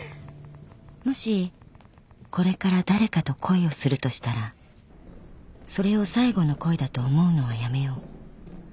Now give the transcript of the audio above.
［もしこれから誰かと恋をするとしたらそれを最後の恋だと思うのはやめよう］